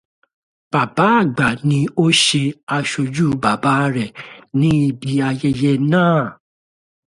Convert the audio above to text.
Bàbá àgbà ni ó ṣe aṣojú bàbá rẹ̀ níbi ayẹyẹ náà.